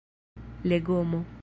legomo